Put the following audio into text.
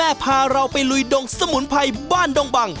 อัลบัตตาสมุนไพรบ้านดงบัง